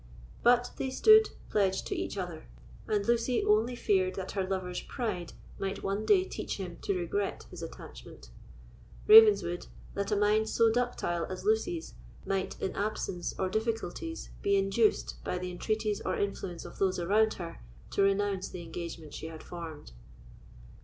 But they stood pledged to each other; and Lucy only feared that her lover's pride might one day teach him to regret his attachment; Ravenswood, that a mind so ductile as Lucy's might, in absence or difficulties, be induced, by the entreaties or influence of those around her, to renounce the engagement she had formed.